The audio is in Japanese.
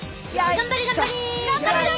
頑張れ頑張れ！